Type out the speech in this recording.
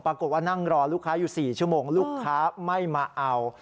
ปรากฏว่านั่งรอลูกค้าอยู่๔ชั่วโมงลูกค้าไม่มาเอา